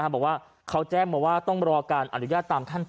บอกว่าเค้าแจ้งว่าต้องรอการอรุญาต